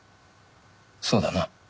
そうだな？